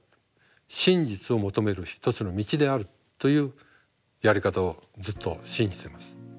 真実を求める一つの道であるというやり方をずっと信じてます。